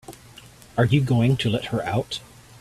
Are you going to let her out?